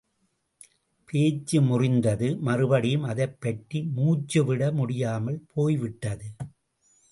பேச்சு முறிந்தது மறுபடியும் அதைப் பற்றி மூச்சு விட முடியாமல் போய் விட்டது.